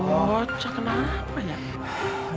gocok kenapa ya